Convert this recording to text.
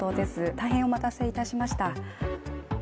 大変お待たせいたしました。